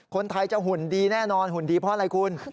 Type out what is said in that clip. คนไทยจะหุ่นดีแน่นอนหุ่นดีเพราะอะไรคุณ